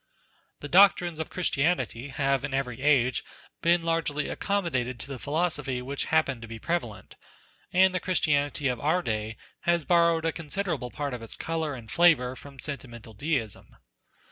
The doctrines of Christianity have in every age been largely accommodated to the philosophy which happened to be prevalent, and the Christianity of our day has borrowed a considerable part of its colour and flavour from sentimental deism.